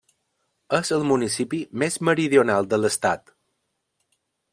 És el municipi més meridional de l'estat.